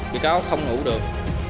vị cáo không ngủ được